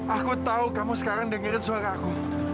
aku tahu kamu sekarang dengerin suara aku